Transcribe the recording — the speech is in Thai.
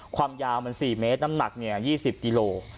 ความยาวมัน๔เมตรน้ำหนัก๒๐กิโล